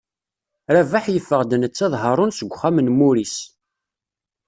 Rabaḥ yeffeɣ-d netta d Haṛun seg uxxam n Muris.